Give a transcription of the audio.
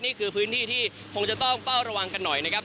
นี่คือพื้นที่ที่คงจะต้องเฝ้าระวังกันหน่อยนะครับ